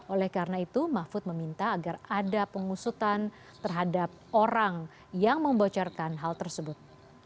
oleh karena itu mahfud meminta agar ada pengusutan terhadap orang yang membocorkan hal tersebut